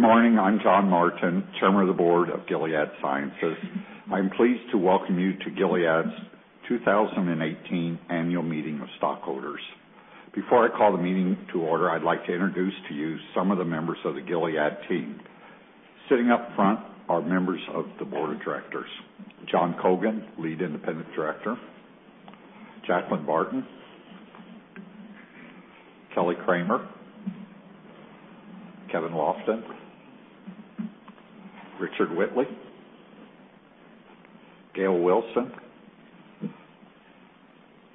Good morning. I'm John Martin, Chairman of the Board of Gilead Sciences. I'm pleased to welcome you to Gilead's 2018 annual meeting of stockholders. Before I call the meeting to order, I'd like to introduce to you some of the members of the Gilead team. Sitting up front are members of the Board of Directors. John Cogan, Lead Independent Director, Jacqueline Barton, Kevin Sharer, Kevin Lofton, Richard Whitley, Gayle Wilson,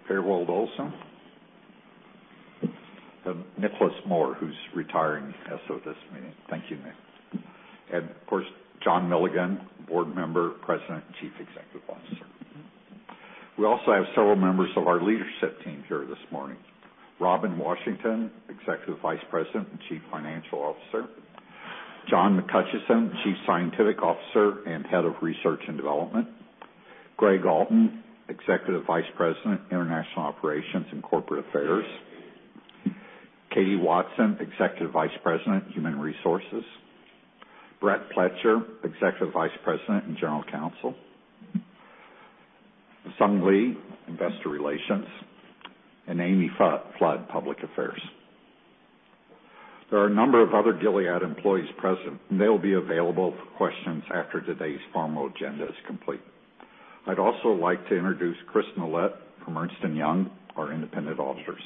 Per Wold-Olsen, and Nicholas Moore, who's retiring as of this meeting. Thank you, Nick. Of course, John Milligan, Board Member, President, and Chief Executive Officer. We also have several members of our leadership team here this morning. Robin Washington, Executive Vice President and Chief Financial Officer, John McHutchison, Chief Scientific Officer and Head of Research and Development, Gregg Alton, Executive Vice President, International Operations and Corporate Affairs, Katie Watson, Executive Vice President, Human Resources, Brett Pletcher, Executive Vice President and General Counsel, Sung Lee, investor relations, and Amy Flood, public affairs. There are a number of other Gilead employees present, and they'll be available for questions after today's formal agenda is complete. I'd also like to introduce Chris Millette from Ernst & Young, our independent auditors.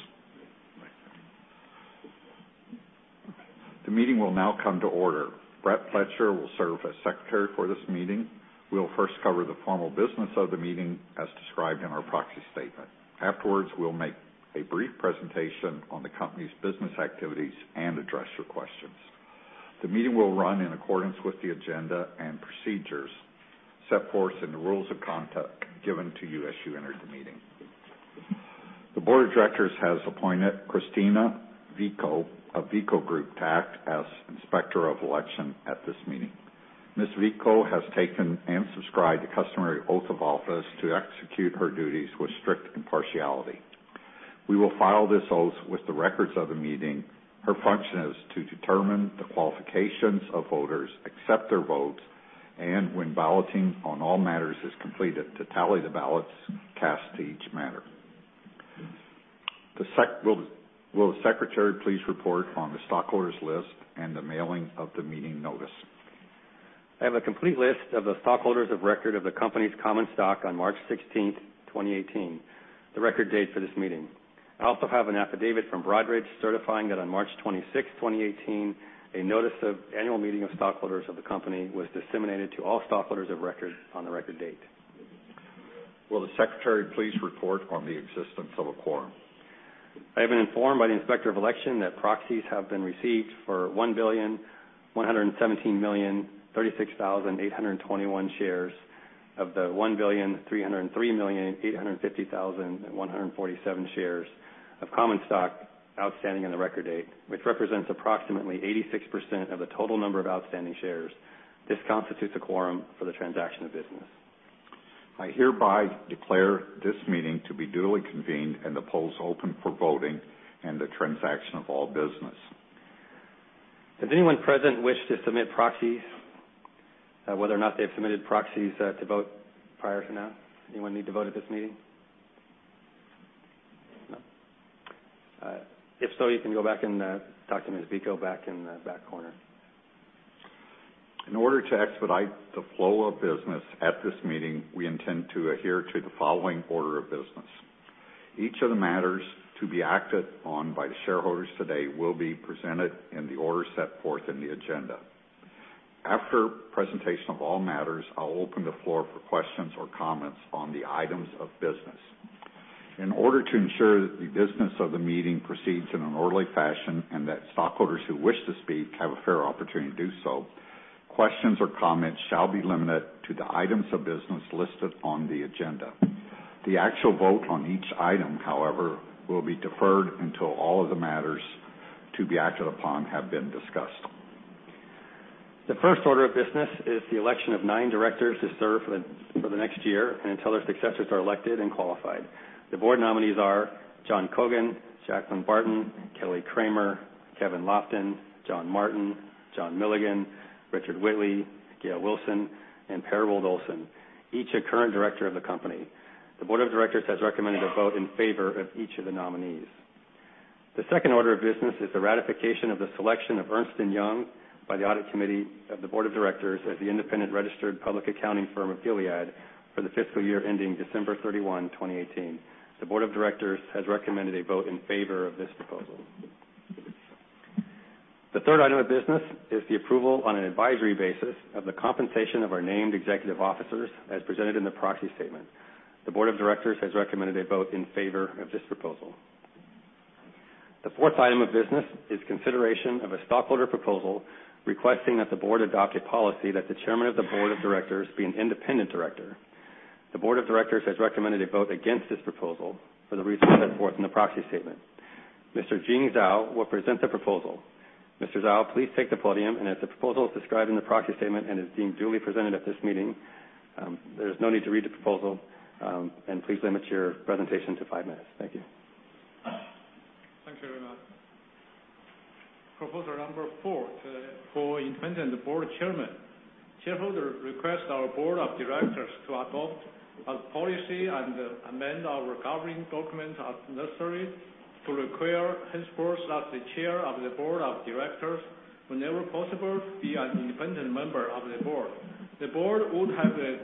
The meeting will now come to order. Brett Pletcher will serve as secretary for this meeting. We'll first cover the formal business of the meeting, as described in our proxy statement. Afterwards, we'll make a brief presentation on the company's business activities and address your questions. The meeting will run in accordance with the agenda and procedures set forth in the rules of conduct given to you as you entered the meeting. The Board of Directors has appointed Christina Vico of Veaco Group as Inspector of Election at this meeting. Ms. Vico has taken and subscribed the customary oath of office to execute her duties with strict impartiality. We will file this oath with the records of the meeting. Her function is to determine the qualifications of voters, accept their votes, and when balloting on all matters is completed, to tally the ballots cast to each matter. Will the secretary please report on the stockholders' list and the mailing of the meeting notice? I have a complete list of the stockholders of record of the company's common stock on March 16th, 2018, the record date for this meeting. I also have an affidavit from Broadridge certifying that on March 26th, 2018, a notice of annual meeting of stockholders of the company was disseminated to all stockholders of record on the record date. Will the secretary please report on the existence of a quorum? I have been informed by the Inspector of Election that proxies have been received for 1,117,036,821 shares of the 1,303,850,147 shares of common stock outstanding on the record date, which represents approximately 86% of the total number of outstanding shares. This constitutes a quorum for the transaction of business. I hereby declare this meeting to be duly convened and the polls open for voting and the transaction of all business. Does anyone present wish to submit proxies, whether or not they have submitted proxies to vote prior to now? Anyone need to vote at this meeting? No. If so, you can go back and talk to Ms. Vico back in the back corner. In order to expedite the flow of business at this meeting, we intend to adhere to the following order of business. Each of the matters to be acted on by the shareholders today will be presented in the order set forth in the agenda. After presentation of all matters, I'll open the floor for questions or comments on the items of business. In order to ensure that the business of the meeting proceeds in an orderly fashion and that stockholders who wish to speak have a fair opportunity to do so, questions or comments shall be limited to the items of business listed on the agenda. The actual vote on each item, however, will be deferred until all of the matters to be acted upon have been discussed. The first order of business is the election of nine directors to serve for the next year and until their successors are elected and qualified. The board nominees are John Cogan, Jacqueline Barton, Kevin Sharer, Kevin Lofton, John Martin, John Milligan, Richard Whitley, Gayle Wilson, and Per Wold-Olsen, each a current director of the company. The board of directors has recommended a vote in favor of each of the nominees. The second order of business is the ratification of the selection of Ernst & Young by the audit committee of the board of directors as the independent registered public accounting firm of Gilead for the fiscal year ending December 31, 2018. The board of directors has recommended a vote in favor of this proposal. The third item of business is the approval on an advisory basis of the compensation of our named executive officers as presented in the proxy statement. The board of directors has recommended a vote in favor of this proposal. The fourth item of business is consideration of a stockholder proposal requesting that the board adopt a policy that the chairman of the board of directors be an independent director. The board of directors has recommended a vote against this proposal for the reasons set forth in the proxy statement. Mr. Jing Zhao will present the proposal. Mr. Zhao, please take the podium. As the proposal is described in the proxy statement and is being duly presented at this meeting, there is no need to read the proposal. Please limit your presentation to five minutes. Thank you. Thank you very much. Proposal number four, for independent board chairman. Shareholders request our board of directors to adopt a policy and amend our governing documents as necessary to require henceforth that the chair of the board of directors, whenever possible, be an independent member of the board. The board would have the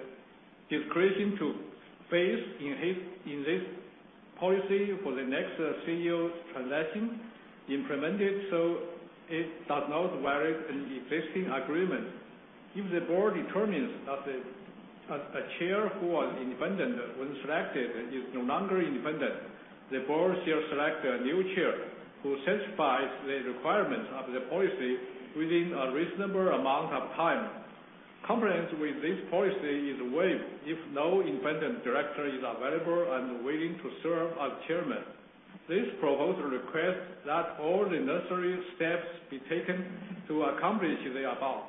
discretion to phase in this policy for the next CEO transition, implement it so it does not violate any existing agreement. If the board determines that a chair who was independent when selected is no longer independent, the board shall select a new chair who satisfies the requirements of the policy within a reasonable amount of time. Compliance with this policy is waived if no independent director is available and willing to serve as chairman. This proposal requests that all necessary steps be taken to accomplish the above.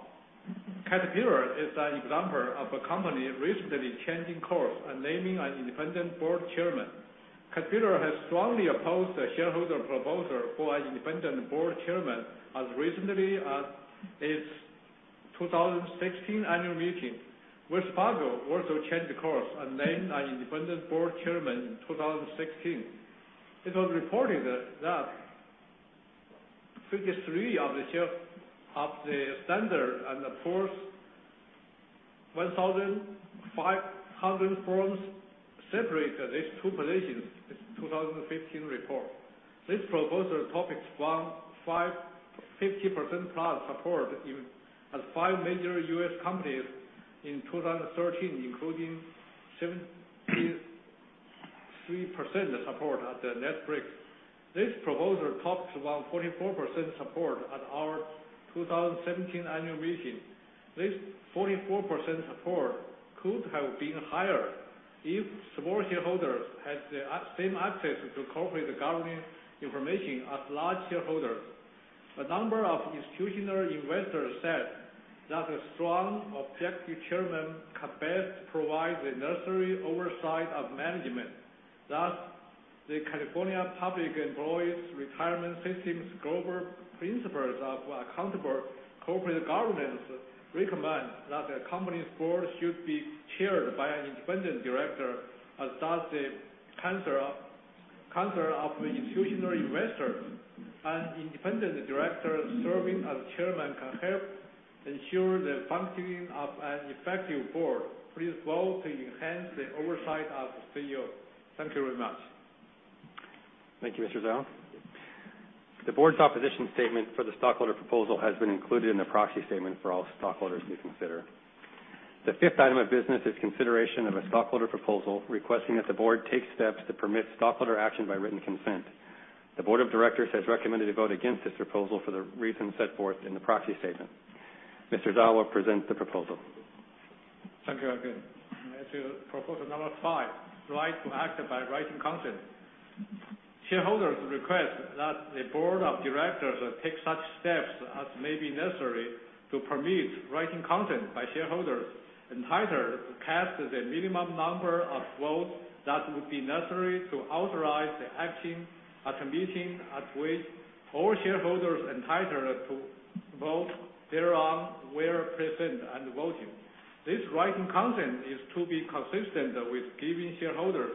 Caterpillar is an example of a company recently changing course and naming an independent board chairman. Caterpillar has strongly opposed a shareholder proposal for an independent board chairman as recently as its 2016 annual meeting. Wells Fargo also changed course and named an independent board chairman in 2016. It was reported that 53 of the Standard & Poor's 1,500 firms separated these two positions in its 2015 report. This proposal topics won 50%-plus support at five major U.S. companies in 2013, including 73% support at Netflix. This proposal topped around 44% support at our 2017 annual meeting. This 44% support could have been higher if small shareholders had the same access to corporate governance information as large shareholders. A number of institutional investors said that a strong, objective chairman can best provide the necessary oversight of management. The California Public Employees' Retirement System's global principles of accountable corporate governance recommends that a company's board should be chaired by an independent director, as does the Council of Institutional Investors. An independent director serving as chairman can help ensure the functioning of an effective board, as well to enhance the oversight of the CEO. Thank you very much. Thank you, Mr. Zhao. The board's opposition statement for the stockholder proposal has been included in the proxy statement for all stockholders to consider. The fifth item of business is consideration of a stockholder proposal requesting that the board take steps to permit stockholder action by written consent. The board of directors has recommended a vote against this proposal for the reasons set forth in the proxy statement. Mr. Zhao will present the proposal. Thank you again. Proposal number five, right to act by written consent. Shareholders request that the board of directors take such steps as may be necessary to permit written consent by shareholders entitled to cast the minimum number of votes that would be necessary to authorize the action at a meeting at which all shareholders entitled to vote thereon were present and voting. This written consent is to be consistent with giving shareholders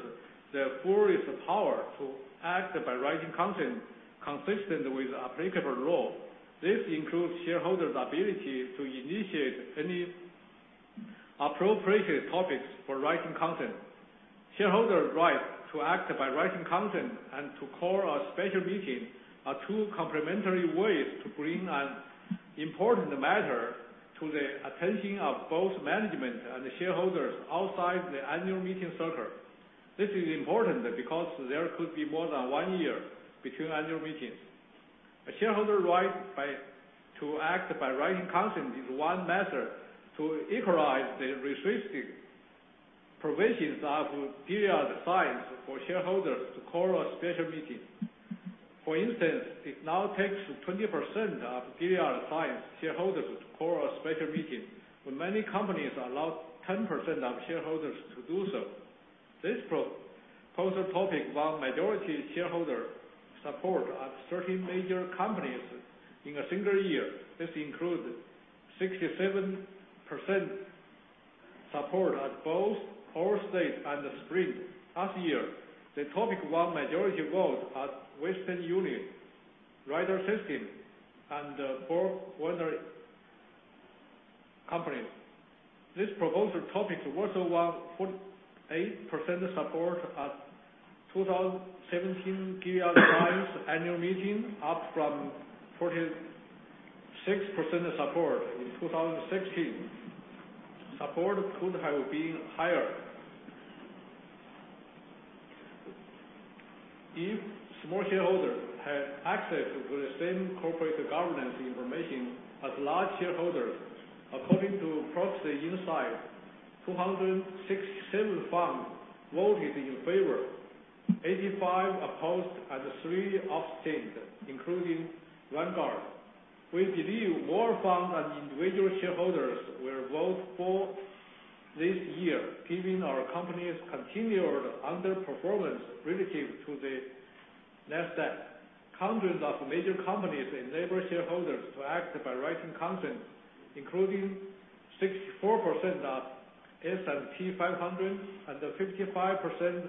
the fullest power to act by written consent consistent with applicable law. This includes shareholders' ability to initiate any appropriate topics for written consent. Shareholders' right to act by written consent and to call a special meeting are two complementary ways to bring an important matter to the attention of both management and shareholders outside the annual meeting circle. This is important because there could be more than one year between annual meetings. A shareholder's right to act by written consent is one method to equalize the restrictive provisions of Gilead Sciences for shareholders to call a special meeting. For instance, it now takes 20% of Gilead Sciences shareholders to call a special meeting, when many companies allow 10% of shareholders to do so. This proposal topic won majority shareholder support at 30 major companies in a single year. This included 67% support at both Allstate and Sprint last year. The topic won majority votes at Western Union, Ryder System, and four other companies. This proposal topic also won 48% support at 2017 Gilead Sciences annual meeting, up from 46% support in 2016. Support could have been higher if small shareholders had access to the same corporate governance information as large shareholders. According to Proxy Insight, 267 funds voted in favor, 85 opposed, and three abstained, including Vanguard. We believe more funds and individual shareholders will vote for This year, given our company's continued underperformance relative to the Nasdaq, hundreds of major companies enable shareholders to act by written consent, including 64% of S&P 500 and 55%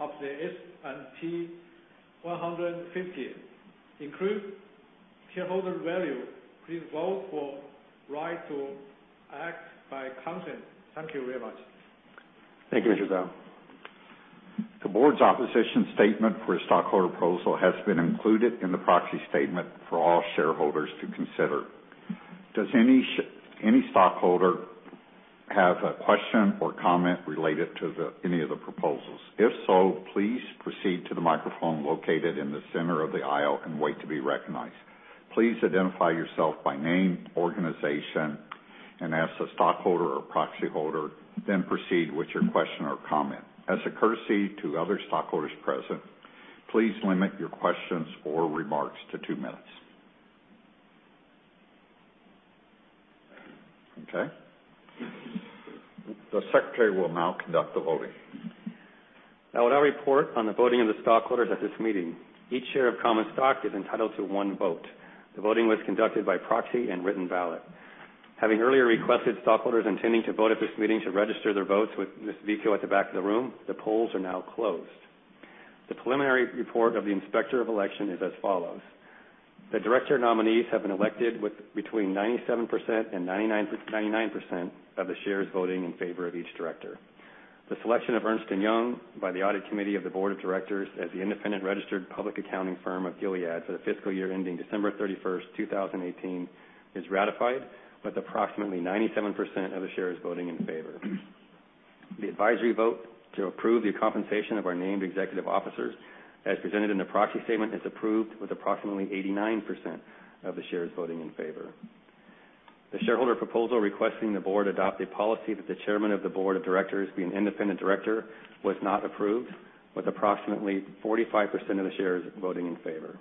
of the S&P 1500. Increase shareholder value. Please vote for right to act by consent. Thank you very much. Thank you, Mr. Zhao. The board's opposition statement for a stockholder proposal has been included in the proxy statement for all shareholders to consider. Does any stockholder have a question or comment related to any of the proposals? If so, please proceed to the microphone located in the center of the aisle and wait to be recognized. Please identify yourself by name, organization, and as a stockholder or proxy holder, then proceed with your question or comment. As a courtesy to other stockholders present, please limit your questions or remarks to two minutes. Okay. The secretary will now conduct the voting. I will now report on the voting of the stockholders at this meeting. Each share of common stock is entitled to one vote. The voting was conducted by proxy and written ballot. Having earlier requested stockholders intending to vote at this meeting to register their votes with Ms. Vico at the back of the room, the polls are now closed. The preliminary report of the inspector of election is as follows. The director nominees have been elected with between 97%-99% of the shares voting in favor of each director. The selection of Ernst & Young by the audit committee of the board of directors as the independent registered public accounting firm of Gilead for the fiscal year ending December 31st, 2018, is ratified with approximately 97% of the shares voting in favor. The advisory vote to approve the compensation of our named executive officers, as presented in the proxy statement, is approved with approximately 89% of the shares voting in favor. The shareholder proposal requesting the board adopt a policy that the chairman of the board of directors be an independent director was not approved, with approximately 45% of the shares voting in favor.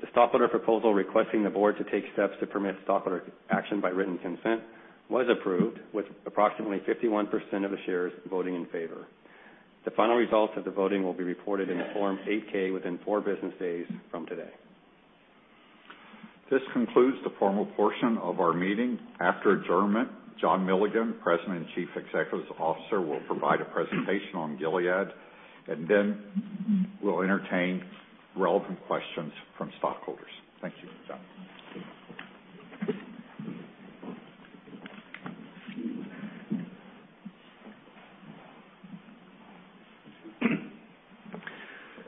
The stockholder proposal requesting the board to take steps to permit stockholder action by written consent was approved with approximately 51% of the shares voting in favor. The final results of the voting will be reported in the Form 8-K within four business days from today. This concludes the formal portion of our meeting. After adjournment, John Milligan, President and Chief Executive Officer, will provide a presentation on Gilead, then we'll entertain relevant questions from stockholders. Thank you. John.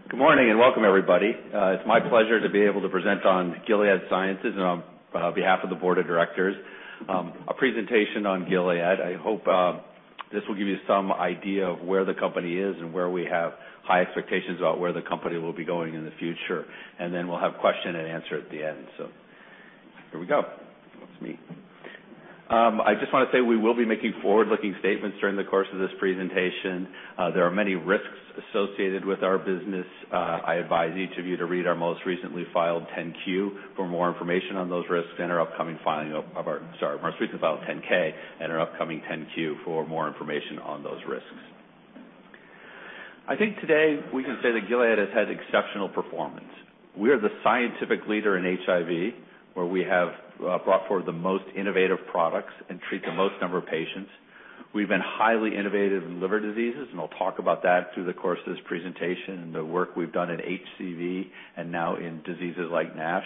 Good morning, and welcome everybody. It's my pleasure to be able to present on Gilead Sciences and on behalf of the board of directors, a presentation on Gilead. I hope this will give you some idea of where the company is and where we have high expectations about where the company will be going in the future, then we'll have question and answer at the end. Here we go. That's me. I just want to say we will be making forward-looking statements during the course of this presentation. There are many risks associated with our business. I advise each of you to read our most recently filed 10-Q for more information on those risks and our upcoming filing of our most recent filed 10-K and our upcoming 10-Q for more information on those risks. I think today we can say that Gilead has had exceptional performance. We are the scientific leader in HIV, where we have brought forward the most innovative products and treat the most number of patients. We've been highly innovative in liver diseases, and I'll talk about that through the course of this presentation and the work we've done in HCV and now in diseases like NASH.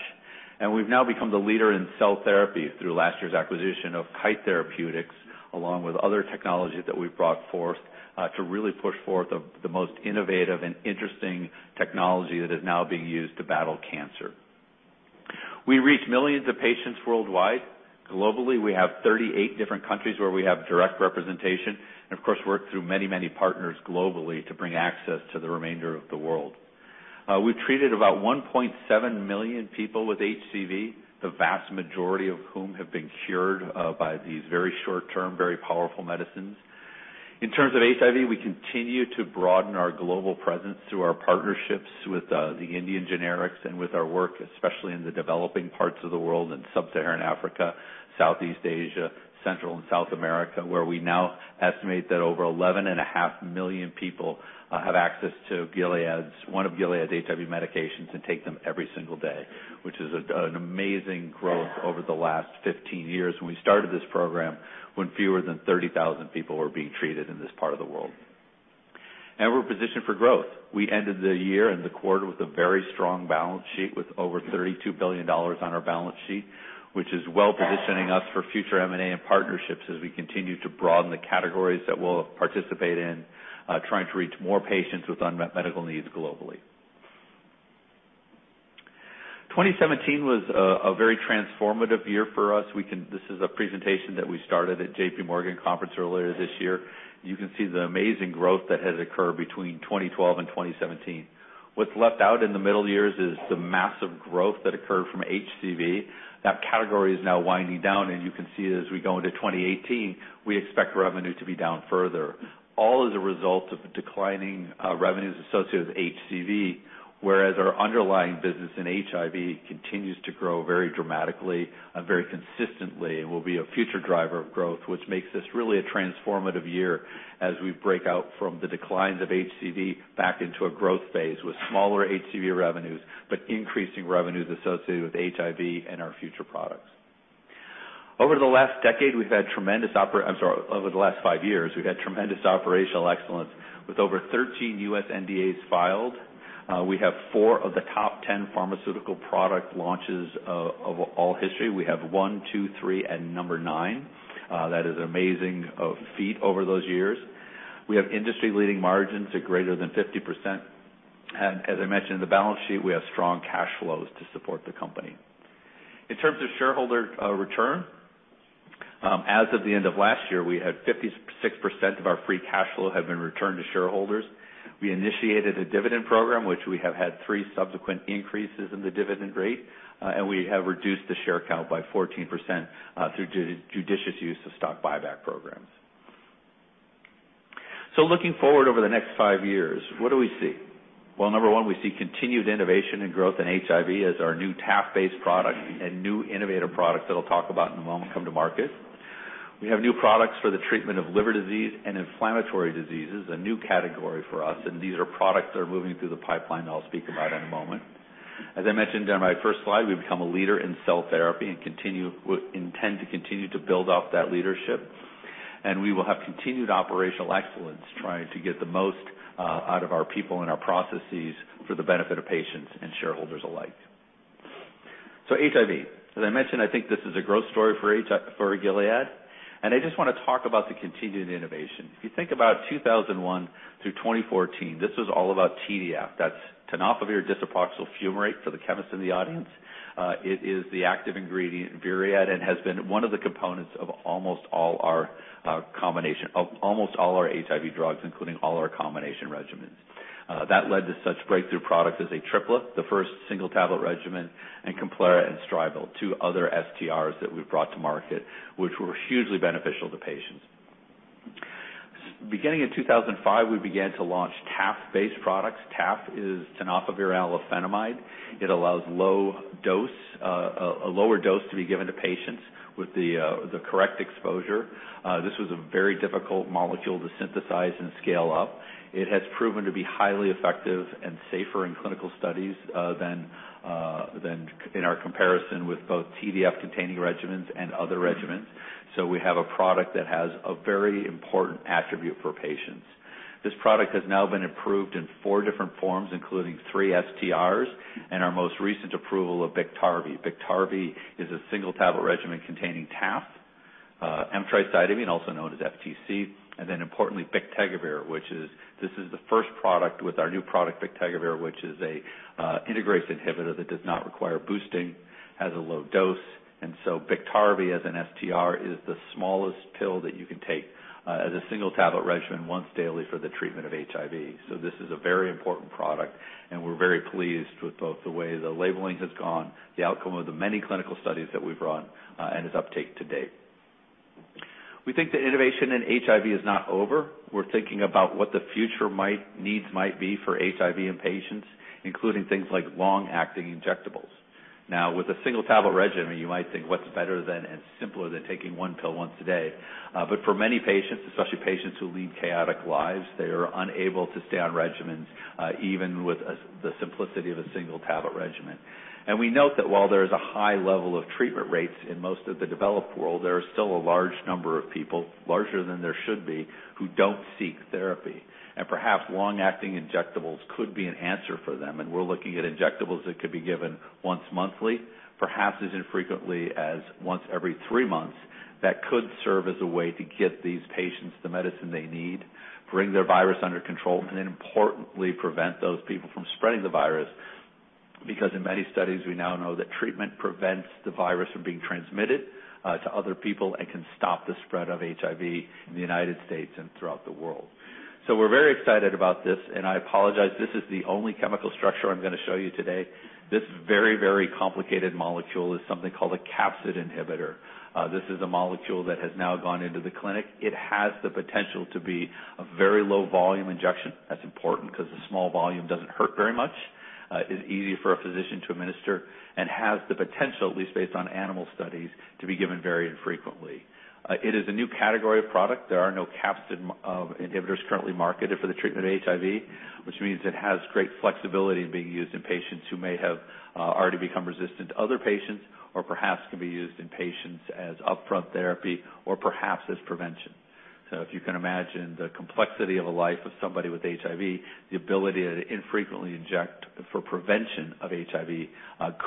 We've now become the leader in cell therapy through last year's acquisition of Kite Pharma, along with other technologies that we've brought forth to really push forth the most innovative and interesting technology that is now being used to battle cancer. We reach millions of patients worldwide. Globally, we have 38 different countries where we have direct representation and, of course, work through many partners globally to bring access to the remainder of the world. We've treated about 1.7 million people with HCV, the vast majority of whom have been cured by these very short-term, very powerful medicines. In terms of HIV, we continue to broaden our global presence through our partnerships with the Indian generics and with our work, especially in the developing parts of the world in Sub-Saharan Africa, Southeast Asia, Central and South America, where we now estimate that over 11.5 million people have access to one of Gilead's HIV medications and take them every single day, which is an amazing growth over the last 15 years when we started this program, when fewer than 30,000 people were being treated in this part of the world. We're positioned for growth. We ended the year and the quarter with a very strong balance sheet with over $32 billion on our balance sheet, which is well-positioning us for future M&A and partnerships as we continue to broaden the categories that we'll participate in, trying to reach more patients with unmet medical needs globally. 2017 was a very transformative year for us. This is a presentation that we started at J.P. Morgan conference earlier this year. You can see the amazing growth that has occurred between 2012 and 2017. What's left out in the middle years is the massive growth that occurred from HCV. That category is now winding down. You can see as we go into 2018, we expect revenue to be down further, all as a result of declining revenues associated with HCV, whereas our underlying business in HIV continues to grow very dramatically and very consistently and will be a future driver of growth, which makes this really a transformative year as we break out from the declines of HCV back into a growth phase with smaller HCV revenues, but increasing revenues associated with HIV and our future products. Over the last five years, we've had tremendous operational excellence, with over 13 U.S. NDAs filed. We have four of the top 10 pharmaceutical product launches of all history. We have one, two, three, and number nine. That is an amazing feat over those years. We have industry-leading margins at greater than 50%. As I mentioned in the balance sheet, we have strong cash flows to support the company. In terms of shareholder return, as of the end of last year, we had 56% of our free cash flow have been returned to shareholders. We initiated a dividend program, which we have had three subsequent increases in the dividend rate, and we have reduced the share count by 14% through judicious use of stock buyback programs. Looking forward over the next five years, what do we see? Well, number 1, we see continued innovation and growth in HIV as our new TAF-based product and new innovative product that I'll talk about in a moment come to market. We have new products for the treatment of liver disease and inflammatory diseases, a new category for us, these are products that are moving through the pipeline that I'll speak about in a moment. As I mentioned on my first slide, we've become a leader in cell therapy and intend to continue to build off that leadership. We will have continued operational excellence, trying to get the most out of our people and our processes for the benefit of patients and shareholders alike. HIV, as I mentioned, I think this is a growth story for Gilead, I just want to talk about the continued innovation. If you think about 2001 through 2014, this was all about TDF. That's tenofovir disoproxil fumarate for the chemists in the audience. It is the active ingredient in VIREAD and has been one of the components of almost all our HIV drugs, including all our combination regimens. That led to such breakthrough products as ATRIPLA, the first single-tablet regimen, COMPLERA and Stribild, two other STRs that we've brought to market, which were hugely beneficial to patients. Beginning in 2005, we began to launch TAF-based products. TAF is tenofovir alafenamide. It allows a lower dose to be given to patients with the correct exposure. This was a very difficult molecule to synthesize and scale up. It has proven to be highly effective and safer in clinical studies than in our comparison with both TDF-containing regimens and other regimens. We have a product that has a very important attribute for patients. This product has now been approved in four different forms, including three STRs, and our most recent approval of Biktarvy. Biktarvy is a single-tablet regimen containing TAF, emtricitabine, also known as FTC, and then importantly bictegravir. This is the first product with our new product bictegravir, which is an integrase inhibitor that does not require boosting, has a low dose, Biktarvy as an STR is the smallest pill that you can take as a single-tablet regimen once daily for the treatment of HIV. This is a very important product, and we're very pleased with both the way the labeling has gone, the outcome of the many clinical studies that we've run, and its uptake to date. We think the innovation in HIV is not over. We're thinking about what the future needs might be for HIV in patients, including things like long-acting injectables. Now, with a single-tablet regimen, you might think, what's better than and simpler than taking one pill once a day? For many patients, especially patients who lead chaotic lives, they are unable to stay on regimens, even with the simplicity of a single-tablet regimen. We note that while there is a high level of treatment rates in most of the developed world, there are still a large number of people, larger than there should be, who don't seek therapy. Perhaps long-acting injectables could be an answer for them, and we're looking at injectables that could be given once monthly, perhaps as infrequently as once every three months, that could serve as a way to get these patients the medicine they need, bring their virus under control, and importantly, prevent those people from spreading the virus. In many studies, we now know that treatment prevents the virus from being transmitted to other people and can stop the spread of HIV in the U.S. and throughout the world. We're very excited about this, and I apologize, this is the only chemical structure I'm going to show you today. This very, very complicated molecule is something called a capsid inhibitor. This is a molecule that has now gone into the clinic. It has the potential to be a very low volume injection. That's important because a small volume doesn't hurt very much. It's easy for a physician to administer and has the potential, at least based on animal studies, to be given very infrequently. It is a new category of product. There are no capsid inhibitors currently marketed for the treatment of HIV, which means it has great flexibility in being used in patients who may have already become resistant to other patients or perhaps can be used in patients as upfront therapy or perhaps as prevention. If you can imagine the complexity of a life of somebody with HIV, the ability to infrequently inject for prevention of HIV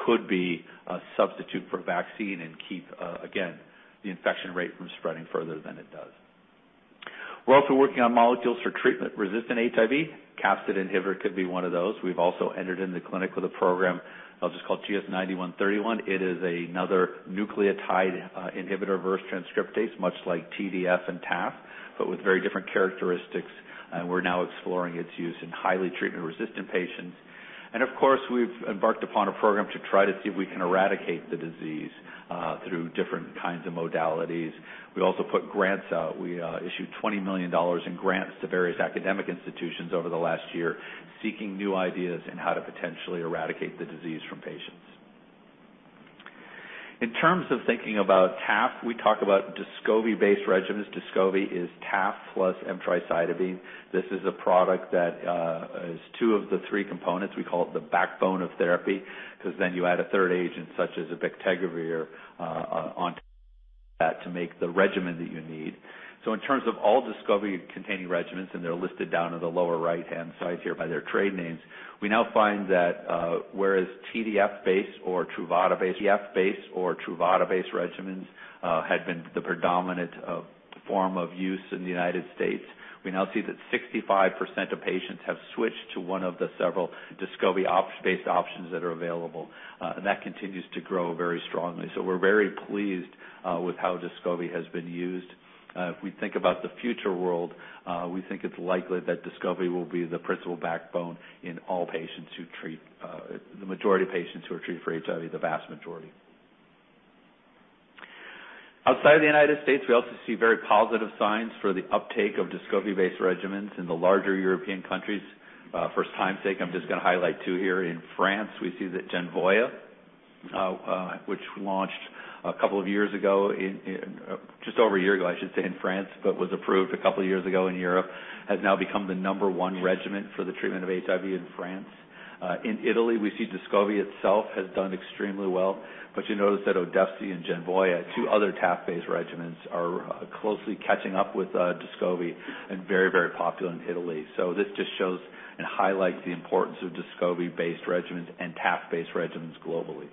could be a substitute for a vaccine and keep, again, the infection rate from spreading further than it does. We're also working on molecules for treatment-resistant HIV. Capsid inhibitor could be one of those. We've also entered into the clinic with a program that's called GS-9131. It is another nucleotide inhibitor reverse transcriptase, much like TDF and TAF, but with very different characteristics. We're now exploring its use in highly treatment-resistant patients. Of course, we've embarked upon a program to try to see if we can eradicate the disease through different kinds of modalities. We also put grants out. We issued $20 million in grants to various academic institutions over the last year, seeking new ideas in how to potentially eradicate the disease from patients. In terms of thinking about TAF, Descovy-based regimens. Descovy is TAF plus emtricitabine. This is a product that is two of the three components. We call it the backbone of therapy, because then you add a third agent, such as a bictegravir onto that to make the regimen that you need. In terms of all Descovy-containing regimens, and they're listed down on the lower right-hand side here by their trade names, we now find that whereas TDF-based or Truvada-based regimens had been the predominant form of use in the U.S., we now see that 65% of patients have switched to one of the several Descovy-based options that are available. That continues to grow very strongly. We're very pleased with how Descovy has been used. If we think about the future world, we think it's likely that Descovy will be the principal backbone in the majority of patients who are treated for HIV, the vast majority. Outside of the U.S., we also see very positive signs for the uptake of Descovy-based regimens in the larger European countries. For time's sake, I'm just going to highlight two here. In France, we see that Genvoya, which launched just over a year ago, I should say, in France, but was approved a couple of years ago in Europe, has now become the number one regimen for the treatment of HIV in France. In Italy, we see Descovy itself has done extremely well. You notice that Odefsey and Genvoya, two other TAF-based regimens, are closely catching up with Descovy and very, very popular in Italy. This just shows and highlights the importance of Descovy-based regimens and TAF-based regimens globally.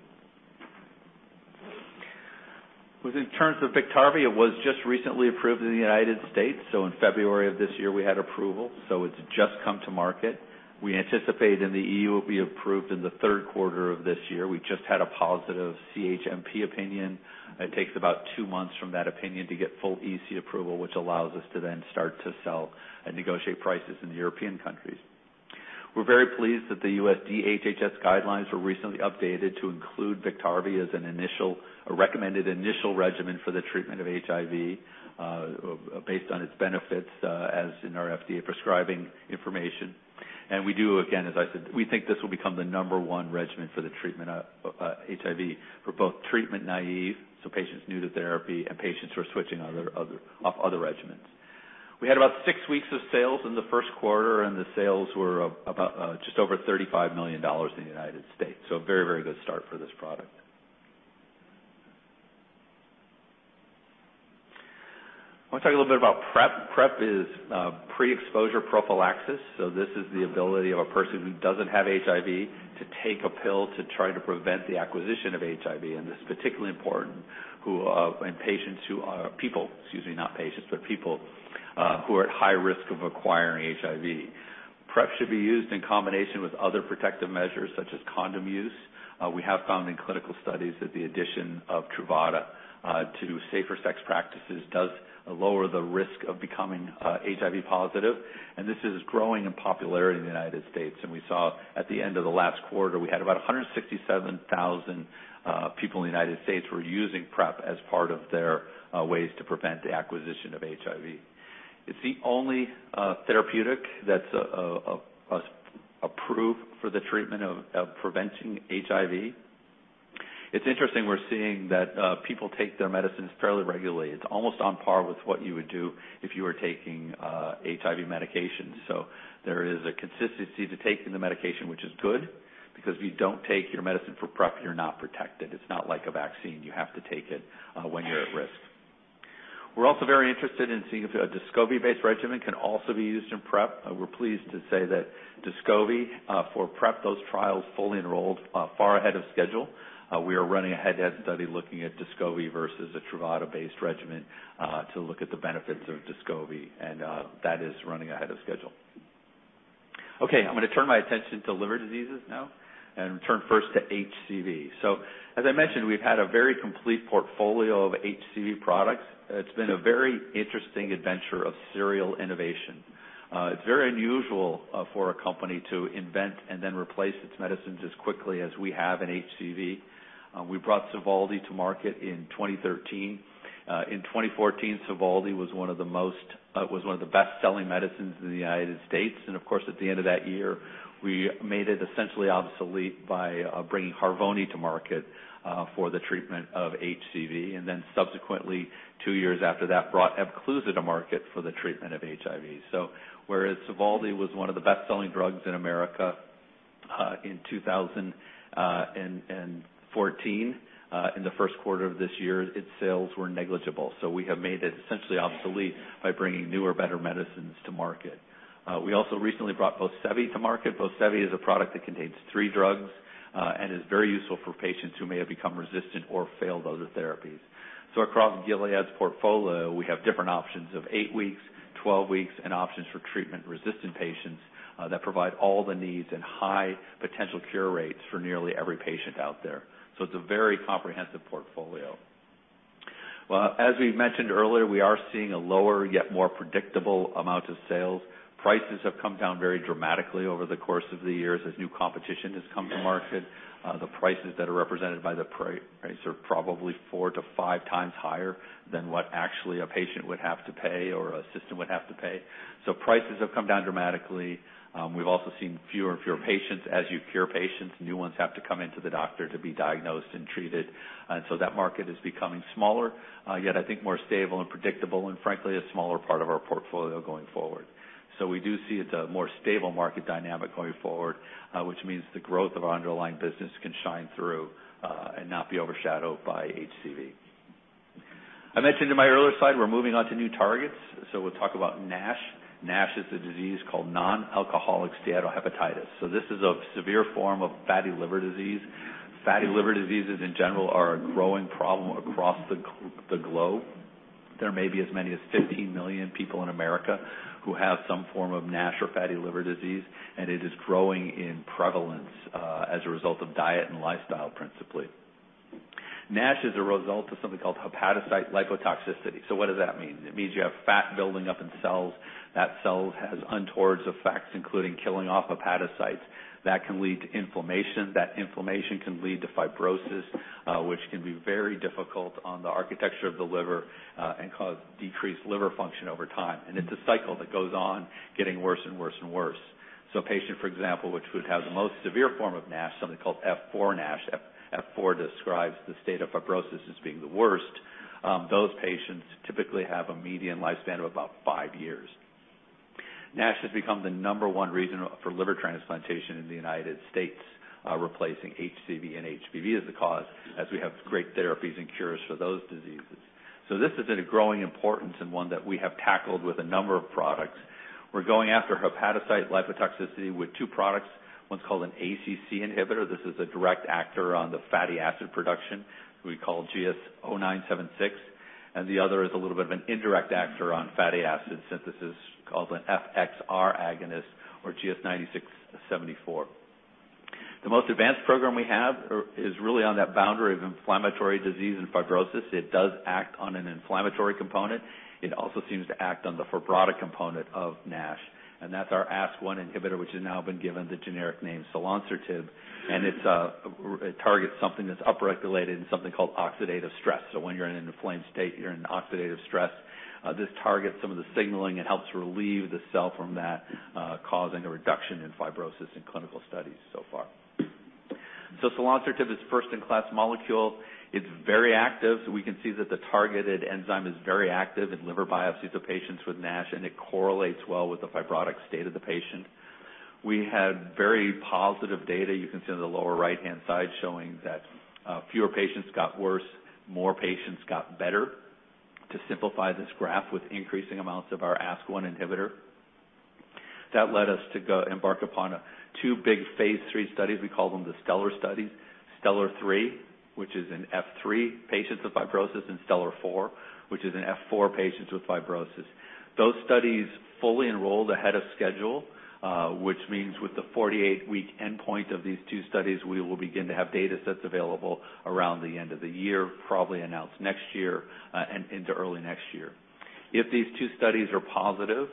In terms of Biktarvy, it was just recently approved in the U.S. In February of this year, we had approval. It's just come to market. We anticipate in the EU it will be approved in the third quarter of this year. We just had a positive CHMP opinion. It takes about two months from that opinion to get full EC approval, which allows us to then start to sell and negotiate prices in the European countries. We're very pleased that the US DHHS guidelines were recently updated to include Biktarvy as a recommended initial regimen for the treatment of HIV, based on its benefits as in our FDA prescribing information. We do, again, as I said, we think this will become the number one regimen for the treatment of HIV for both treatment naive, patients new to therapy, and patients who are switching off other regimens. We had about six weeks of sales in the first quarter, and the sales were about just over $35 million in the U.S. A very, very good start for this product. I want to talk a little bit about PrEP. PrEP is pre-exposure prophylaxis. This is the ability of a person who doesn't have HIV to take a pill to try to prevent the acquisition of HIV, and it's particularly important in people, excuse me, not patients, but people who are at high risk of acquiring HIV. PrEP should be used in combination with other protective measures, such as condom use. We have found in clinical studies that the addition of Truvada to safer sex practices does lower the risk of becoming HIV positive, and this is growing in popularity in the U.S. We saw at the end of the last quarter, we had about 167,000 people in the U.S. who were using PrEP as part of their ways to prevent the acquisition of HIV. It's the only therapeutic that's approved for the treatment of preventing HIV. It's interesting, we're seeing that people take their medicines fairly regularly. It's almost on par with what you would do if you were taking HIV medications. There is a consistency to taking the medication, which is good, because if you don't take your medicine for PrEP, you're not protected. It's not like a vaccine. You have to take it when you're at risk. We're also very interested in seeing if a Descovy-based regimen can also be used in PrEP. We're pleased to say that Descovy for PrEP, those trials fully enrolled far ahead of schedule. We are running a head-to-head study looking at Descovy versus a Truvada-based regimen to look at the benefits of Descovy, and that is running ahead of schedule. I'm going to turn my attention to liver diseases now, and turn first to HCV. As I mentioned, we've had a very complete portfolio of HCV products. It's been a very interesting adventure of serial innovation. It's very unusual for a company to invent and then replace its medicines as quickly as we have in HCV. We brought Sovaldi to market in 2013. In 2014, Sovaldi was one of the best-selling medicines in the U.S. Of course, at the end of that year, we made it essentially obsolete by bringing Harvoni to market for the treatment of HCV, then subsequently, 2 years after that, brought Epclusa to market for the treatment of HIV. Whereas Sovaldi was one of the best-selling drugs in America in 2014, in the first quarter of this year, its sales were negligible. We have made it essentially obsolete by bringing newer, better medicines to market. We also recently brought Vosevi to market. Vosevi is a product that contains 3 drugs and is very useful for patients who may have become resistant or failed other therapies. Across Gilead's portfolio, we have different options of 8 weeks, 12 weeks, and options for treatment-resistant patients that provide all the needs and high potential cure rates for nearly every patient out there. It's a very comprehensive portfolio. As we mentioned earlier, we are seeing a lower yet more predictable amount of sales. Prices have come down very dramatically over the course of the years as new competition has come to market. The prices that are represented by the prices are probably 4 to 5 times higher than what actually a patient would have to pay or a system would have to pay. Prices have come down dramatically. We've also seen fewer and fewer patients. As you cure patients, new ones have to come in to the doctor to be diagnosed and treated. That market is becoming smaller, yet I think more stable and predictable, and frankly, a smaller part of our portfolio going forward. We do see it's a more stable market dynamic going forward, which means the growth of our underlying business can shine through and not be overshadowed by HCV. I mentioned in my earlier slide, we're moving on to new targets. We'll talk about NASH. NASH is a disease called non-alcoholic steatohepatitis. This is a severe form of fatty liver disease. Fatty liver diseases in general are a growing problem across the globe. There may be as many as 15 million people in America who have some form of NASH or fatty liver disease, and it is growing in prevalence as a result of diet and lifestyle, principally. NASH is a result of something called hepatocyte lipotoxicity. What does that mean? It means you have fat building up in cells. That cell has untoward effects, including killing off hepatocytes. That can lead to inflammation. That inflammation can lead to fibrosis, which can be very difficult on the architecture of the liver and cause decreased liver function over time. It's a cycle that goes on getting worse and worse. A patient, for example, which would have the most severe form of NASH, something called F4 NASH. F4 describes the state of fibrosis as being the worst. Those patients typically have a median lifespan of about 5 years. NASH has become the number one reason for liver transplantation in the United States, replacing HCV and HBV as the cause, as we have great therapies and cures for those diseases. This is of growing importance and one that we have tackled with a number of products. We're going after hepatocyte lipotoxicity with two products. One's called an ACC inhibitor. This is a direct actor on the fatty acid production, we call GS-0976. The other is a little bit of an indirect actor on fatty acid synthesis called an FXR agonist or GS-0974. The most advanced program we have is really on that boundary of inflammatory disease and fibrosis. It does act on an inflammatory component. It also seems to act on the fibrotic component of NASH, and that's our ASK1 inhibitor, which has now been given the generic name selonsertib, and it targets something that's upregulated and something called oxidative stress. When you're in an inflamed state, you're in oxidative stress. This targets some of the signaling and helps relieve the cell from that, causing a reduction in fibrosis in clinical studies so far. selonsertib is first-in-class molecule. It's very active. We can see that the targeted enzyme is very active in liver biopsies of patients with NASH, and it correlates well with the fibrotic state of the patient. We had very positive data, you can see on the lower right-hand side, showing that fewer patients got worse, more patients got better. To simplify this graph with increasing amounts of our ASK1 inhibitor. That led us to embark upon two big phase III studies. We call them the STELLAR studies, STELLAR-3, which is in F3 patients with fibrosis, and STELLAR-4, which is in F4 patients with fibrosis. Those studies fully enrolled ahead of schedule, which means with the 48-week endpoint of these two studies, we will begin to have data sets available around the end of the year, probably announced next year, into early next year. If these two studies are positive,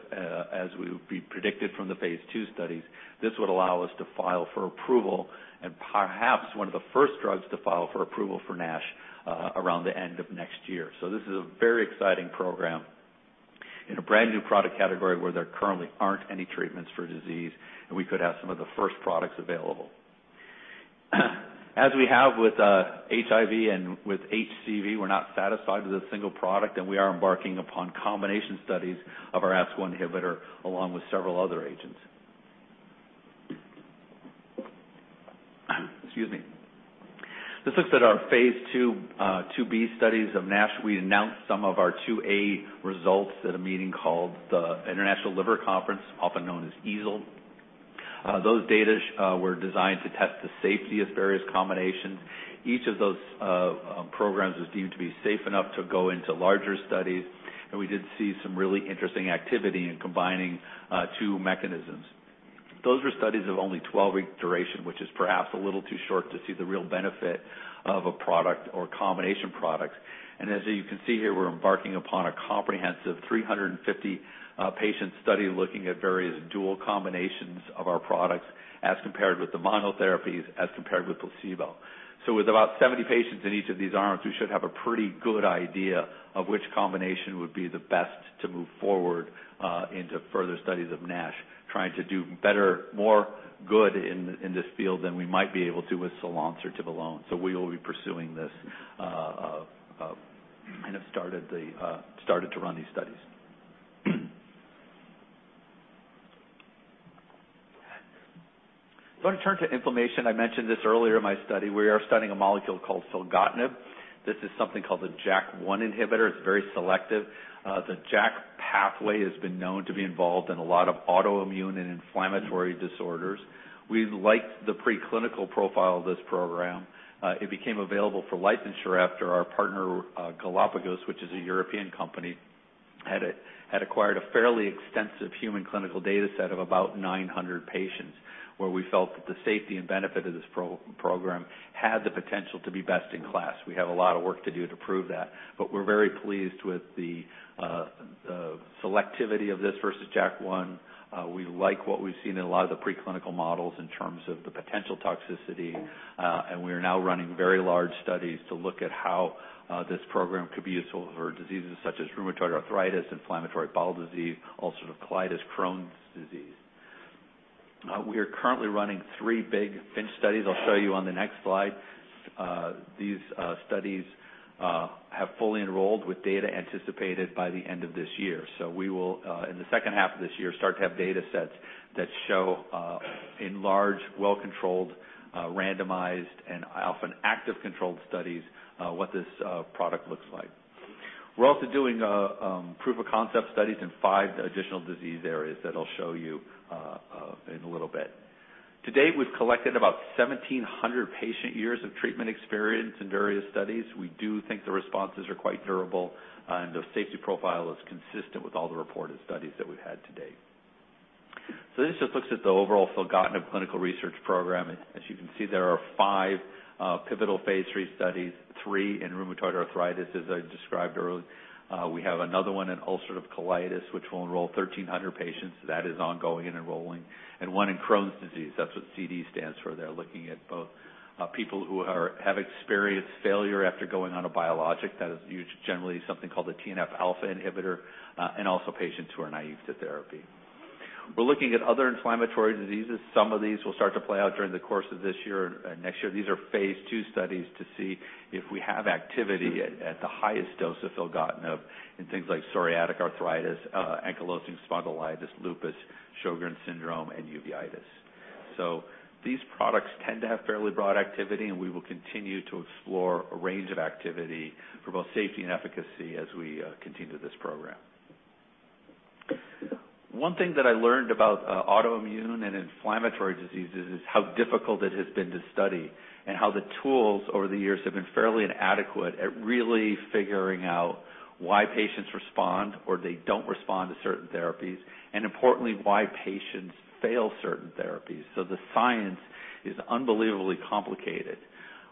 as we predicted from the phase II studies, this would allow us to file for approval and perhaps one of the first drugs to file for approval for NASH around the end of next year. This is a very exciting program in a brand-new product category where there currently aren't any treatments for disease, and we could have some of the first products available. As we have with HIV and with HCV, we're not satisfied with a single product, we are embarking upon combination studies of our ASK1 inhibitor, along with several other agents. Excuse me. This looks at our phase II-B studies of NASH. We announced some of our II-A results at a meeting called the International Liver Conference, often known as EASL. Those data were designed to test the safety of various combinations. Each of those programs was deemed to be safe enough to go into larger studies, and we did see some really interesting activity in combining two mechanisms. Those were studies of only 12-week duration, which is perhaps a little too short to see the real benefit of a product or combination products. As you can see here, we are embarking upon a comprehensive 350-patient study looking at various dual combinations of our products as compared with the monotherapies, as compared with placebo. With about 70 patients in each of these arms, we should have a pretty good idea of which combination would be the best to move forward into further studies of NASH, trying to do better, more good in this field than we might be able to with selonsertib alone. We will be pursuing this and have started to run these studies. I am going to turn to inflammation. I mentioned this earlier in my study. We are studying a molecule called filgotinib. This is something called a JAK1 inhibitor. It is very selective. The JAK pathway has been known to be involved in a lot of autoimmune and inflammatory disorders. We liked the preclinical profile of this program. It became available for licensure after our partner, Galapagos, which is a European company, had acquired a fairly extensive human clinical data set of about 900 patients, where we felt that the safety and benefit of this program had the potential to be best in class. We have a lot of work to do to prove that, but we are very pleased with the selectivity of this versus JAK1. We like what we have seen in a lot of the preclinical models in terms of the potential toxicity. We are now running very large studies to look at how this program could be useful for diseases such as rheumatoid arthritis, inflammatory bowel disease, ulcerative colitis, Crohn's disease. We are currently running three big FINCH studies. I will show you on the next slide. These studies have fully enrolled with data anticipated by the end of this year. We will, in the second half of this year, start to have data sets that show in large, well-controlled, randomized, and often active controlled studies, what this product looks like. We are also doing proof of concept studies in five additional disease areas that I will show you in a little bit. To date, we have collected about 1,700 patient years of treatment experience in various studies. We do think the responses are quite durable, and the safety profile is consistent with all the reported studies that we have had to date. This just looks at the overall filgotinib clinical research program. As you can see, there are five pivotal phase III studies, three in rheumatoid arthritis, as I described earlier. We have another one in ulcerative colitis, which will enroll 1,300 patients. That is ongoing and enrolling. One in Crohn's disease. That is what CD stands for there, looking at both people who have experienced failure after going on a biologic that is used, generally something called a TNF alpha inhibitor, and also patients who are naive to therapy. We are looking at other inflammatory diseases. Some of these will start to play out during the course of this year and next year. These are phase II studies to see if we have activity at the highest dose of filgotinib in things like psoriatic arthritis, ankylosing spondylitis, lupus, Sjogren's syndrome, and uveitis. These products tend to have fairly broad activity, and we will continue to explore a range of activity for both safety and efficacy as we continue this program. One thing that I learned about autoimmune and inflammatory diseases is how difficult it has been to study, and how the tools over the years have been fairly inadequate at really figuring out why patients respond or they don't respond to certain therapies, and importantly, why patients fail certain therapies. The science is unbelievably complicated.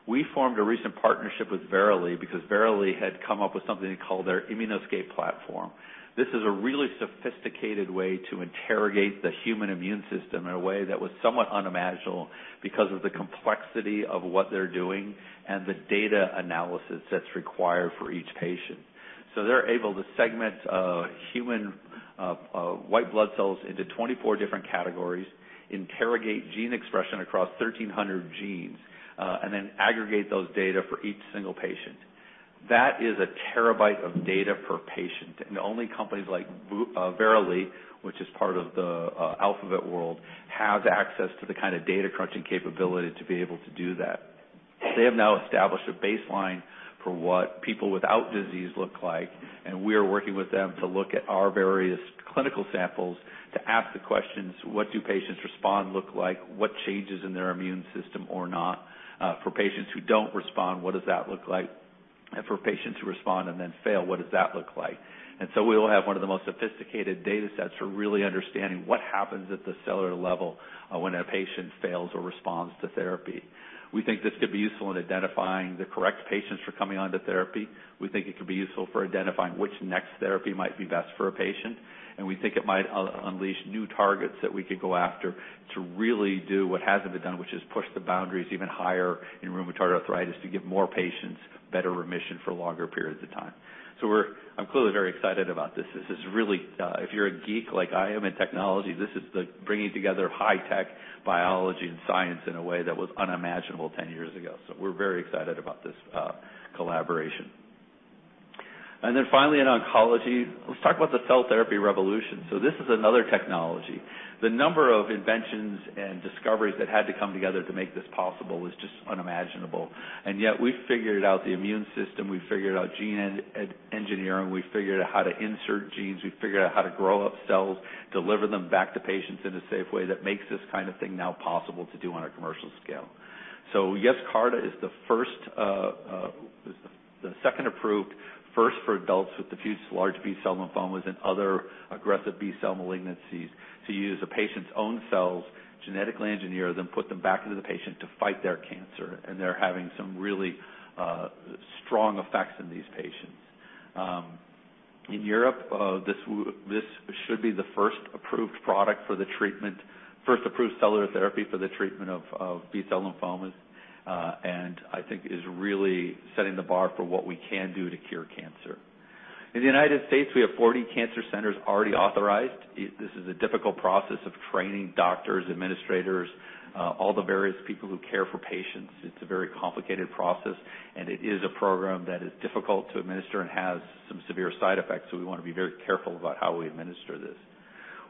We formed a recent partnership with Verily because Verily had come up with something called their Immunoscape platform. This is a really sophisticated way to interrogate the human immune system in a way that was somewhat unimaginable because of the complexity of what they're doing and the data analysis that's required for each patient. They're able to segment human white blood cells into 24 different categories, interrogate gene expression across 1,300 genes, and then aggregate those data for each single patient. That is a terabyte of data per patient, only companies like Verily, which is part of the Alphabet world, have access to the kind of data crunching capability to be able to do that. They have now established a baseline for what people without disease look like, we are working with them to look at our various clinical samples to ask the questions, what do patients respond look like? What changes in their immune system or not? For patients who don't respond, what does that look like? For patients who respond and then fail, what does that look like? We will have one of the most sophisticated data sets for really understanding what happens at the cellular level when a patient fails or responds to therapy. We think this could be useful in identifying the correct patients for coming onto therapy. We think it could be useful for identifying which next therapy might be best for a patient, we think it might unleash new targets that we could go after to really do what hasn't been done, which is push the boundaries even higher in rheumatoid arthritis to give more patients better remission for longer periods of time. I'm clearly very excited about this. If you're a geek like I am in technology, this is the bringing together of high tech biology and science in a way that was unimaginable 10 years ago. We're very excited about this collaboration. Finally, in oncology, let's talk about the cell therapy revolution. This is another technology. The number of inventions and discoveries that had to come together to make this possible is just unimaginable. Yet we figured out the immune system, we figured out gene engineering, we figured out how to insert genes, we figured out how to grow up cells, deliver them back to patients in a safe way that makes this kind of thing now possible to do on a commercial scale. Yes, CAR-T is the second approved, first for adults with diffuse large B-cell lymphomas and other aggressive B-cell malignancies to use a patient's own cells, genetically engineer them, put them back into the patient to fight their cancer, they're having some really strong effects in these patients. In Europe, this should be the first approved cellular therapy for the treatment of B-cell lymphomas, I think is really setting the bar for what we can do to cure cancer. In the U.S., we have 40 cancer centers already authorized. This is a difficult process of training doctors, administrators, all the various people who care for patients. It's a very complicated process, and it is a program that is difficult to administer and has some severe side effects, so we want to be very careful about how we administer this.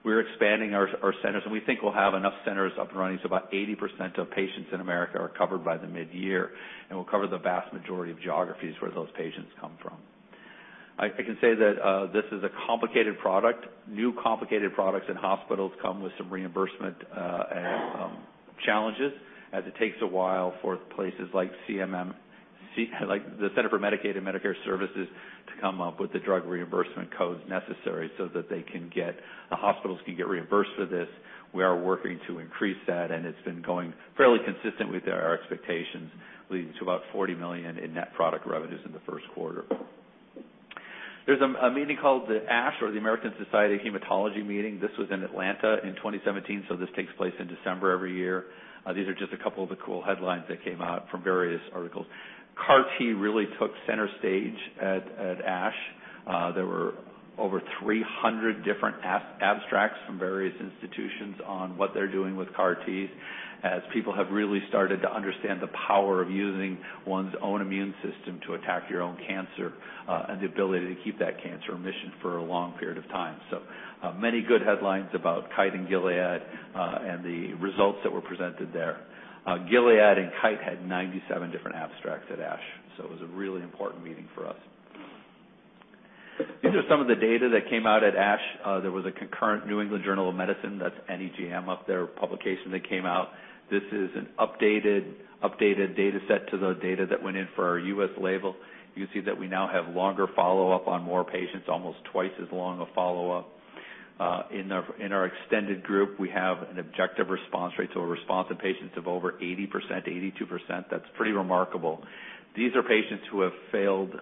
We're expanding our centers, and we think we'll have enough centers up and running so about 80% of patients in America are covered by the mid-year, and we'll cover the vast majority of geographies where those patients come from. I can say that this is a complicated product. New complicated products in hospitals come with some reimbursement challenges as it takes a while for places like the Centers for Medicare & Medicaid Services to come up with the drug reimbursement codes necessary so that the hospitals can get reimbursed for this. We are working to increase that, and it's been going fairly consistent with our expectations, leading to about $40 million in net product revenues in the first quarter. There's a meeting called the ASH or the American Society of Hematology meeting. This was in Atlanta in 2017, this takes place in December every year. These are just a couple of the cool headlines that came out from various articles. CAR-T really took center stage at ASH. There were over 300 different abstracts from various institutions on what they're doing with CAR-Ts, as people have really started to understand the power of using one's own immune system to attack your own cancer, and the ability to keep that cancer in remission for a long period of time. Many good headlines about Kite and Gilead, and the results that were presented there. Gilead and Kite had 97 different abstracts at ASH, it was a really important meeting for us. These are some of the data that came out at ASH. There was a concurrent "New England Journal of Medicine," that's NEJM up there, publication that came out. This is an updated data set to the data that went in for our U.S. label. You can see that we now have longer follow-up on more patients, almost twice as long a follow-up. In our extended group, we have an objective response rate to a response in patients of over 80%, 82%. That's pretty remarkable. These are patients who have failed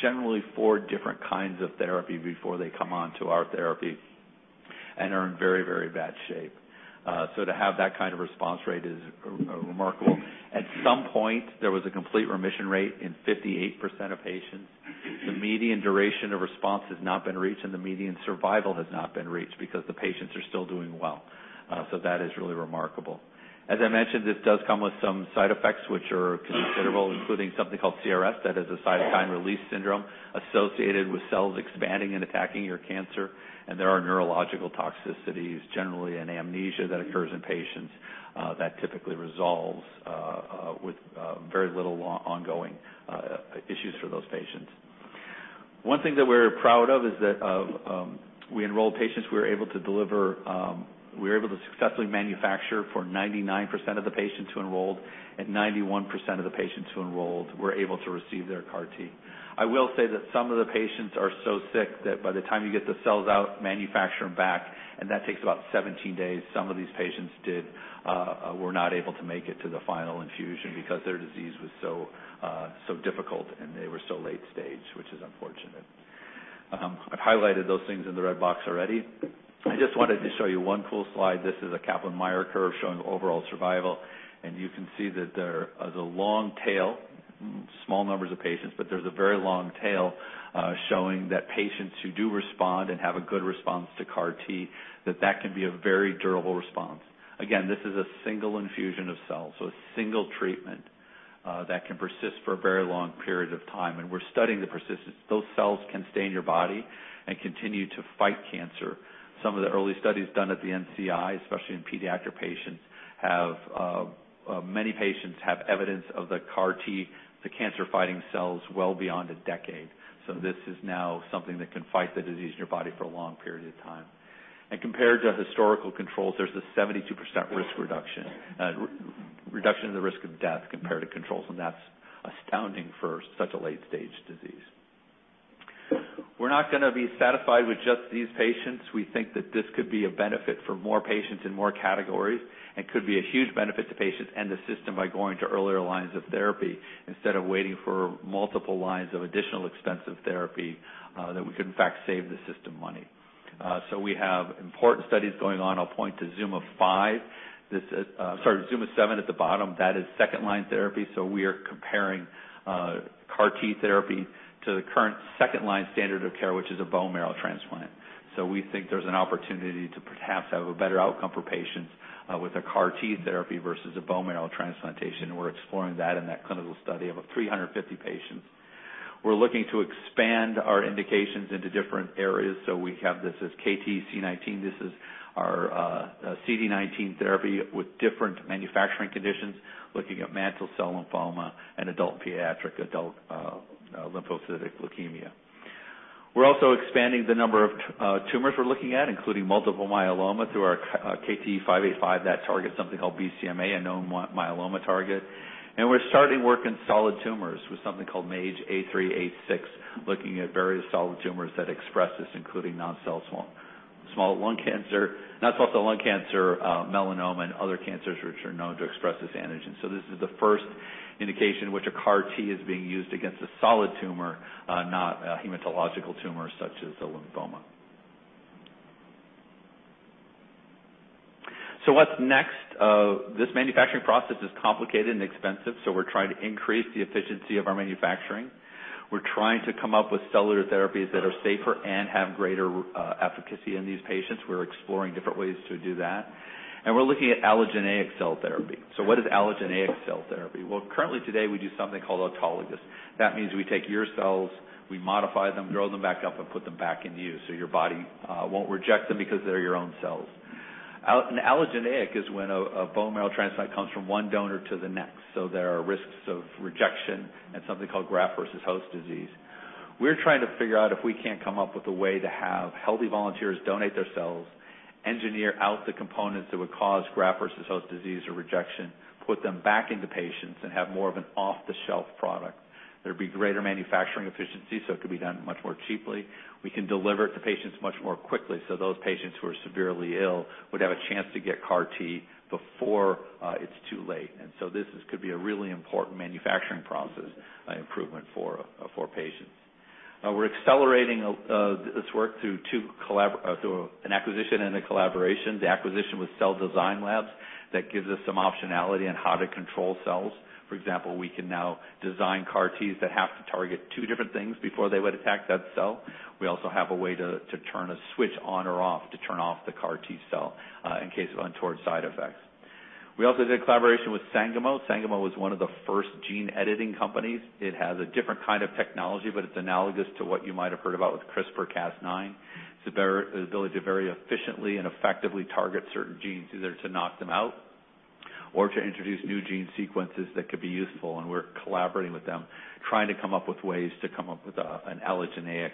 generally four different kinds of therapy before they come on to our therapy and are in very, very bad shape. To have that kind of response rate is remarkable. At some point, there was a complete remission rate in 58% of patients. The median duration of response has not been reached, and the median survival has not been reached because the patients are still doing well. That is really remarkable. As I mentioned, this does come with some side effects, which are considerable, including something called CRS. That is a cytokine release syndrome associated with cells expanding and attacking your cancer. There are neurological toxicities, generally an amnesia that occurs in patients that typically resolves with very little ongoing issues for those patients. One thing that we're proud of is that we enrolled patients, we were able to successfully manufacture for 99% of the patients who enrolled, and 91% of the patients who enrolled were able to receive their CAR T. I will say that some of the patients are so sick that by the time you get the cells out, manufacture them back, That takes about 17 days. Some of these patients were not able to make it to the final infusion because their disease was so difficult, and they were so late stage, which is unfortunate. I've highlighted those things in the red box already. I just wanted to show you one cool slide. This is a Kaplan-Meier curve showing overall survival, You can see that there is a long tail, small numbers of patients, but there's a very long tail showing that patients who do respond and have a good response to CAR-T, that that can be a very durable response. Again, this is a single infusion of cells, A single treatment that can persist for very long periods of time, We're studying the persistence. Those cells can stay in your body and continue to fight cancer. Some of the early studies done at the NCI, especially in pediatric patients, many patients have evidence of the CAR-T, the cancer-fighting cells, well beyond a decade. This is now something that can fight the disease in your body for a long period of time. Compared to historical controls, there's a 72% reduction in the risk of death compared to controls, That's astounding for such a late-stage disease. We're not going to be satisfied with just these patients. We think that this could be a benefit for more patients in more categories and could be a huge benefit to patients and the system by going to earlier lines of therapy instead of waiting for multiple lines of additional extensive therapy that we could, in fact, save the system money. We have important studies going on. I'll point to ZUMA-5. Sorry, ZUMA-7 at the bottom. That is second-line therapy. We are comparing CAR-T therapy to the current second-line standard of care, which is a bone marrow transplant. We think there's an opportunity to perhaps have a better outcome for patients with a CAR-T therapy versus a bone marrow transplantation. We're exploring that in that clinical study of 350 patients. We're looking to expand our indications into different areas. We have this as KTE-C19. This is our CD19 therapy with different manufacturing conditions, looking at mantle cell lymphoma and adult pediatric, adult lymphocytic leukemia. We're also expanding the number of tumors we're looking at, including multiple myeloma through our KITE-585 that targets something called BCMA, a known myeloma target. We're starting work in solid tumors with something called MAGE-A3/A6, looking at various solid tumors that express this, including non-small cell lung cancer, melanoma, and other cancers which are known to express this antigen. This is the first indication which a CAR-T is being used against a solid tumor, not a hematological tumor such as a lymphoma. What's next? This manufacturing process is complicated and expensive, We're trying to increase the efficiency of our manufacturing. We're trying to come up with cellular therapies that are safer and have greater efficacy in these patients. We're exploring different ways to do that, we're looking at allogeneic cell therapy. What is allogeneic cell therapy? Currently today, we do something called autologous. That means we take your cells, we modify them, grow them back up, and put them back in you, so your body won't reject them because they're your own cells. An allogeneic is when a bone marrow transplant comes from one donor to the next. There are risks of rejection and something called graft-versus-host disease. We're trying to figure out if we can't come up with a way to have healthy volunteers donate their cells, engineer out the components that would cause graft-versus-host disease or rejection, put them back into patients, and have more of an off-the-shelf product. There'd be greater manufacturing efficiency, it could be done much more cheaply. We can deliver it to patients much more quickly, those patients who are severely ill would have a chance to get CAR-T before it's too late. This could be a really important manufacturing process improvement for patients. We're accelerating this work through an acquisition and a collaboration. The acquisition with Cell Design Labs, that gives us some optionality on how to control cells. For example, we can now design CAR-Ts that have to target two different things before they would attack that cell. We also have a way to turn a switch on or off to turn off the CAR-T cell in case of untoward side effects. We also did a collaboration with Sangamo. Sangamo was one of the first gene-editing companies. It has a different kind of technology, but it's analogous to what you might have heard about with CRISPR-Cas9. It's the ability to very efficiently and effectively target certain genes, either to knock them out or to introduce new gene sequences that could be useful, we're collaborating with them, trying to come up with ways to come up with an allogeneic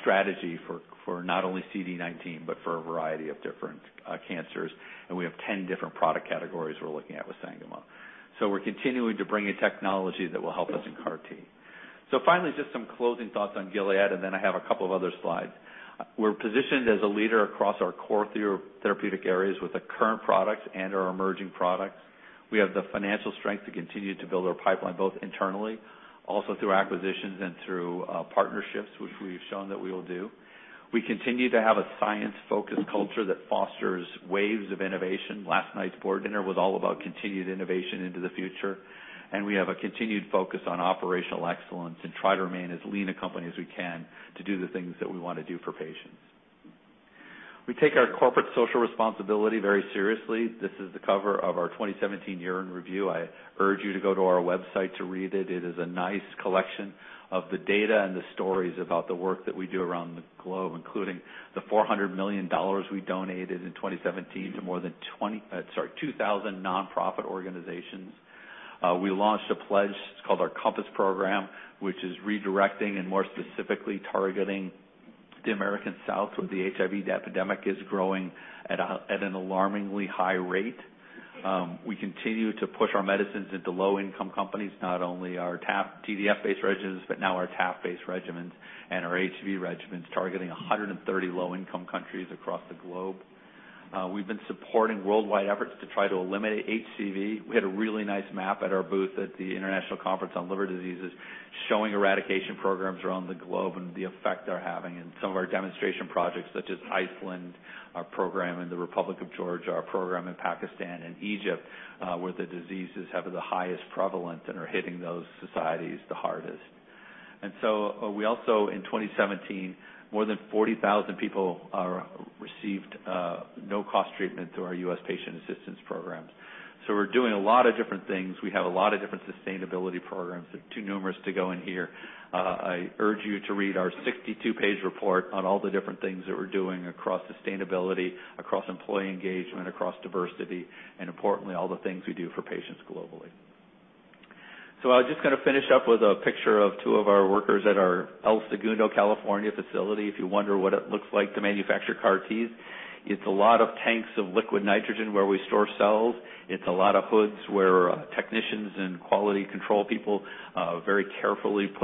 strategy for not only CD19, but for a variety of different cancers. We have 10 different product categories we're looking at with Sangamo. We're continuing to bring in technology that will help us in CAR-T. Finally, just some closing thoughts on Gilead, then I have a couple of other slides. We're positioned as a leader across our core therapeutic areas with the current products and our emerging products. We have the financial strength to continue to build our pipeline, both internally, also through acquisitions and through partnerships, which we've shown that we will do. We continue to have a science-focused culture that fosters waves of innovation. Last night's board dinner was all about continued innovation into the future. We have a continued focus on operational excellence and try to remain as lean a company as we can to do the things that we want to do for patients. We take our corporate social responsibility very seriously. This is the cover of our 2017 Year in Review. I urge you to go to our website to read it. It is a nice collection of the data and the stories about the work that we do around the globe, including the $400 million we donated in 2017 to more than 2,000 nonprofit organizations. We launched a pledge, it's called our Compass Program, which is redirecting and more specifically targeting the American South, where the HIV epidemic is growing at an alarmingly high rate. We continue to push our medicines into low-income companies, not only our TDF-based regimens, but now our TAF-based regimens and our HBV regimens, targeting 130 low-income countries across the globe. We've been supporting worldwide efforts to try to eliminate HCV. We had a really nice map at our booth at the International Liver Congress showing eradication programs around the globe and the effect they're having, and some of our demonstration projects such as Iceland, our program in the Republic of Georgia, our program in Pakistan and Egypt, where the diseases have the highest prevalence and are hitting those societies the hardest. We also, in 2017, more than 40,000 people received no-cost treatment through our U.S. patient assistance programs. We're doing a lot of different things. We have a lot of different sustainability programs. They're too numerous to go in here. I urge you to read our 62-page report on all the different things that we're doing across sustainability, across employee engagement, across diversity, and importantly, all the things we do for patients globally. I was just going to finish up with a picture of two of our workers at our El Segundo, California, facility. If you wonder what it looks like to manufacture CAR-T's, it's a lot of tanks of liquid nitrogen where we store cells. It's a lot of hoods where technicians and quality control people very carefully-